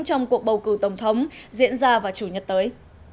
trong cuộc bầu cử tổng thống diễn ra vào chủ nhật tới